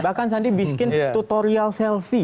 bahkan sandi bikin tutorial selfie